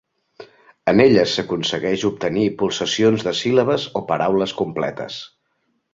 En elles s'aconsegueix obtenir pulsacions de síl·labes o paraules completes.